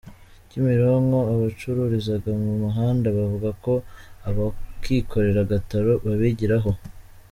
Kimironko Abacururizaga mu muhanda bavuga ko abakikorera agataro babigiraho